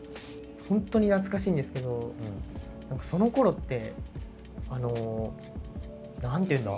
ほんとに懐かしいんですけどそのころってあの何ていうんだ？